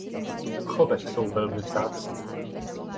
V chovech jsou velmi vzácní.